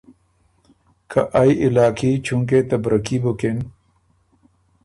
که ائ علاقي چونکې ته برکي بُکِن